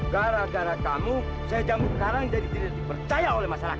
karena kamu saya mencari karang jadi tidak dipercaya oleh masyarakat